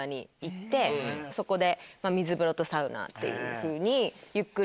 そこで。